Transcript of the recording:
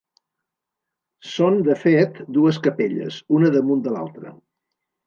Són, de fet, dues capelles, una damunt de l'altra.